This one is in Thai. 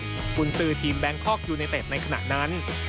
อุ่นซื้อทีมแบงคอกยูเนเตศในขณะนั้น